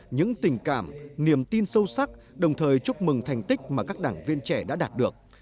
những tình cảm niềm tin sâu sắc đồng thời chúc mừng thành tích mà các đảng viên trẻ đã đạt được